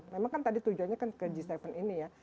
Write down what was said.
memang kan tadi tujuannya ke g tujuh ini